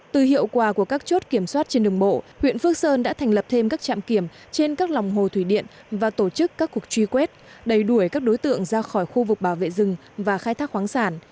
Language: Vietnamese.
từ hiệu quả của các chốt kiểm soát trên đường bộ huyện phước sơn đã thành lập thêm các trạm kiểm trên các lòng hồ thủy điện và tổ chức các cuộc truy quét đầy đuổi các đối tượng ra khỏi khu vực bảo vệ rừng và khai thác khoáng sản